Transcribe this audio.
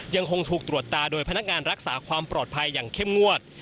ยังคงถูกตรวจตาโดยพนักงานรักษาความปลอดภัยอย่างเข้มงวด